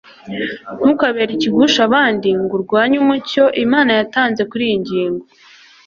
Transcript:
ntukabere ikigusha abandi ngo urwanye umucyo imana yatanze kuri iyi ngingo